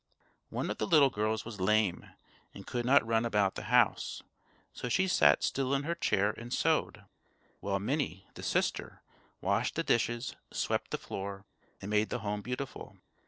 One of the little girls was lame, and could not run about the house; so she sat still in her chair and sewed, while Minnie, the sister, washed the dishes, swept the floor, and made the home beautiful.